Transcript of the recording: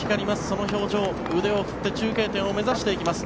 その表情、腕を振って中継点を目指していきます。